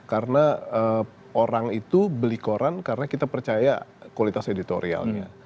karena orang itu beli koran karena kita percaya kualitas editorialnya